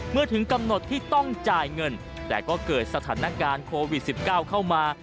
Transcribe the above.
เมื่อถึงกำหนดที่ต้องจ่ายเงินแต่ก็เกิดสถานการณ์โควิด๑๙เข้ามา